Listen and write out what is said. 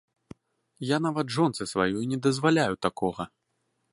Я нават жонцы сваёй не дазваляю такога.